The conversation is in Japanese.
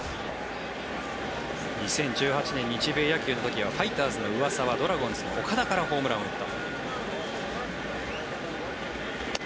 ２０１８年、日米野球の時はファイターズの上沢ドラゴンズの岡田からホームランを打ったと。